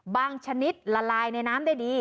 ชนิดละลายในน้ำได้ดี